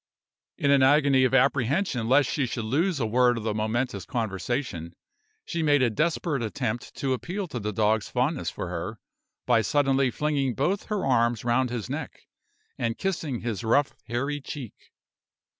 In an agony of apprehension lest she should lose a word of the momentous conversation, she made a desperate attempt to appeal to the dog's fondness for her, by suddenly flinging both her arms round his neck, and kissing his rough, hairy cheek.